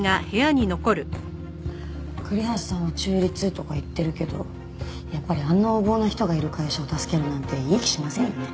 栗橋さんは中立とか言ってるけどやっぱりあんな横暴な人がいる会社を助けるなんていい気しませんよね。